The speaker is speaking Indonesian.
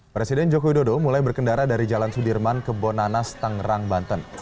presiden jokowi dodo mulai berkendara dari jalan sudirman ke bonanas tanggerang banten